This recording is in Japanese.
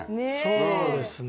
そうですね